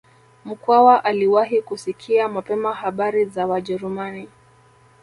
Mkwawa aliwahi kusikia mapema habari za Wajerumani